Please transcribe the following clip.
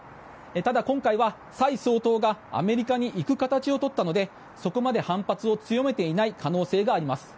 ただ、今回は蔡総統がアメリカに行く形を取ったのでそこまで反発を強めていない可能性があります。